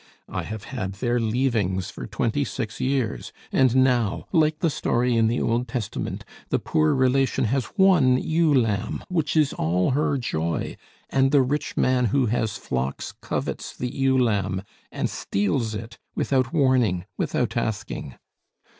I have had their leavings for twenty six years! And now like the story in the Old Testament, the poor relation has one ewe lamb which is all her joy, and the rich man who has flocks covets the ewe lamb and steals it without warning, without asking.